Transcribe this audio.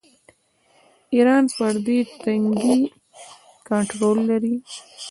ایران پر دې تنګي کنټرول لري.